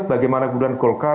bagaimana kebutuhan golkar